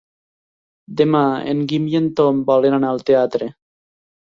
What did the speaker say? Demà en Guim i en Tom volen anar al teatre.